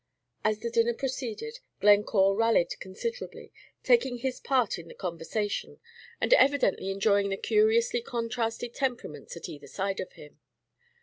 As the dinner proceeded, Glencore rallied considerably, taking his part in the conversation, and evidently enjoying the curiously contrasted temperaments at either side of him.